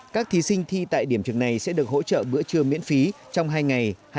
các thí sinh thi tại điểm trường này sẽ được hỗ trợ bữa trưa miễn phí trong hai ngày